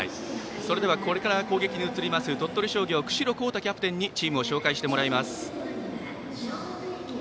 では、これから攻撃に移る鳥取商業、久城洸太キャプテンにチームを紹介してもらいます。